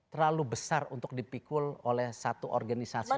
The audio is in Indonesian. terlalu besar untuk dipikul oleh satu organisasi